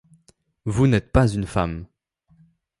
Vous n'êtes pas une femme.